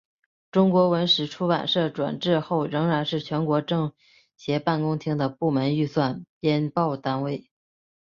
中国文史出版社转制后仍然是全国政协办公厅的部门预算编报单位。